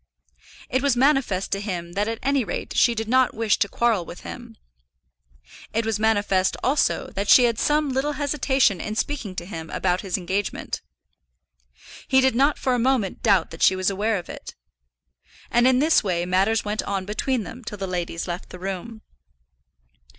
It was manifest to him that at any rate she did not wish to quarrel with him. It was manifest, also, that she had some little hesitation in speaking to him about his engagement. He did not for a moment doubt that she was aware of it. And in this way matters went on between them till the ladies left the room.